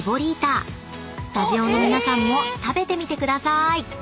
［スタジオの皆さんも食べてみてくださーい！］